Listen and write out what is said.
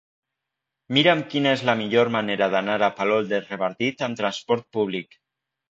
Mira'm quina és la millor manera d'anar a Palol de Revardit amb trasport públic.